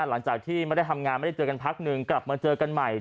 หลังจากที่ไม่ได้ทำงานไม่ได้เจอกันพักหนึ่งกลับมาเจอกันใหม่